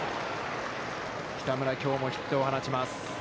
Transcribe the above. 北村、きょうもヒットを放ちます。